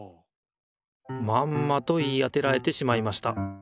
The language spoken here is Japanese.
まんまと言い当てられてしまいました。